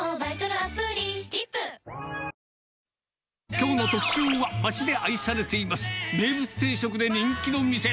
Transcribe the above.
きょうの特集は、町で愛されています、名物定食で人気の店。